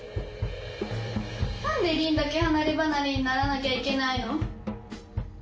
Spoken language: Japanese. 何で凜だけ離れ離れにならなきゃいけないの？